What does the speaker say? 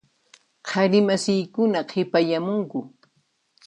Qhari masiykuna qhipayamunku.